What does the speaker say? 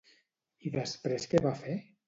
I després què va fer?